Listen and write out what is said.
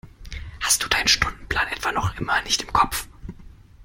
Hast du deinen Stundenplan etwa noch immer nicht im Kopf?